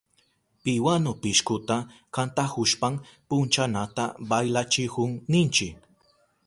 Piwanu pishkuka kantahushpan punchanata baylachihun ninchi.